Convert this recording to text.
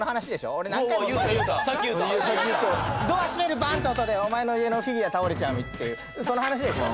ドア閉めるバンって音でお前の家のフィギュア倒れちゃうっていうその話でしょ？